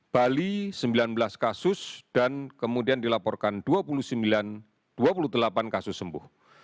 bali sembilan belas kasus dan kemudian dilaporkan dua puluh sembilan dua puluh delapan kasus sembuh